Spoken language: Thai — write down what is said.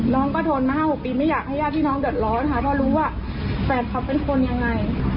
น้องก็ทนมา๕๖ปีไม่อยากให้ญาติพี่น้องเดือดร้อนค่ะเพราะรู้ว่าแฟนเขาเป็นคนยังไง